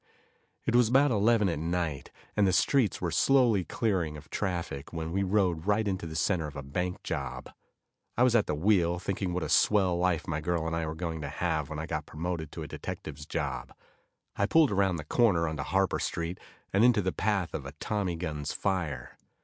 It was about eleven at night, and the streets were slowly clearing of traffic, when we rode right into the center of a bank job. I was at the wheel, thinking what a swell life my girl and I were going to have when I got promoted to a detective's job. I pulled around the corner onto Harper street, and into the path of a tommy gun's fire.